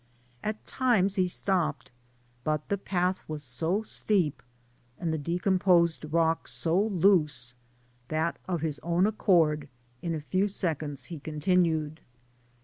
At times he stopped, but the path was so steep, and the decomposed rock so loose, that of his own apcord in a few seconds he continued.